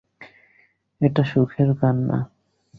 এটা সুখের কান্না।